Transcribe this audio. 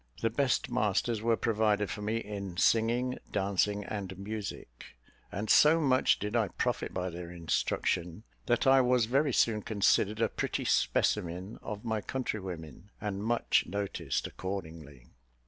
The best masters were provided for me in singing, dancing, and music; and so much did I profit by their instruction, that I was very soon considered a pretty specimen of my countrywomen, and much noticed accordingly.